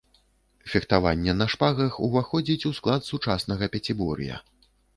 Фехтаванне на шпагах уваходзіць у склад сучаснага пяцібор'я.